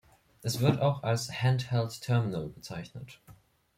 Es wird auch als "Handheld Terminal" bezeichnet.